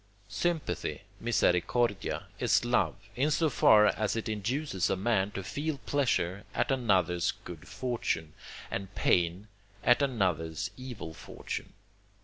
Sympathy (misericordia) is love, in so far as it induces a man to feel pleasure at another's good fortune, and pain at another's evil fortune.